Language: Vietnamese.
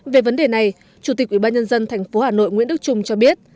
về vấn đề này chủ tịch ubnd tp hà nội nguyễn đức trung cho biết